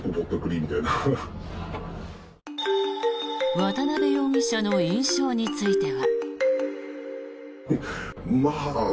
渡邉容疑者の印象については。